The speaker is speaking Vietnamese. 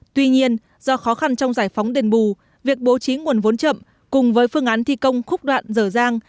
tuy nhiên do khó khăn trong giải phóng đền bù việc bố trí nguồn vốn chậm cùng với phương án thi công khúc đoạn dở dang